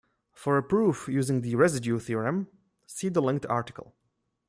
For a proof using the residue theorem, see the linked article.